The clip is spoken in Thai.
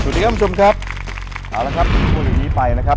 สวัสดีค่ะค่ะค่ะคุณผู้ลูกนี้ไปนะครับ